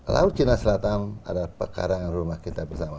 laut china selatan ada pekarangan rumah kita bersama